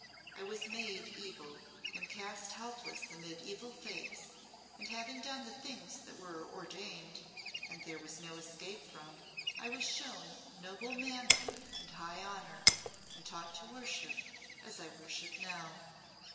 I was made evil, and cast helpless amid evil fates, and having done the things that were ordained, and there was no escape from, I was shown noble manhood and high honour, and taught to worship, as I worship now.